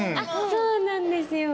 そうなんですよ。